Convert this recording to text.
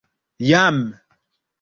Jam.